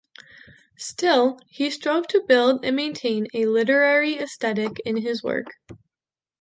Still, he strove to build and maintain a literary aesthetic in his work.